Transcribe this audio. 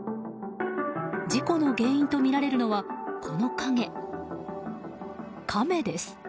事故の原因とみられるのはこの影カメです。